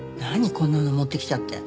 こんなの持ってきちゃって。